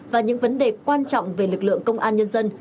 và những vấn đề quan trọng về lực lượng công an nhân dân